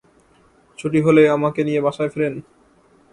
ছুটি হলে আমাকে নিয়ে বাসায় ফেরেন।